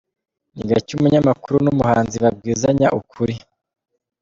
Ni gake umunyamakuru n’umuhanzi babwizanya ukuri.